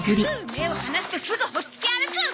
目を離すとすぐほっつき歩く！